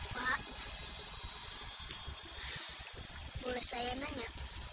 pak boleh saya nanya